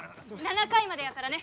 ７回までやからね